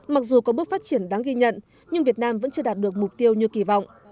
mặc dù có bước phát triển đáng ghi nhận nhưng việt nam vẫn chưa đạt được mục tiêu như kỳ vọng